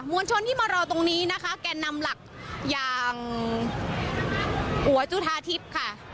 วลชนที่มารอตรงนี้นะคะแก่นำหลักอย่างหัวจุธาทิพย์ค่ะ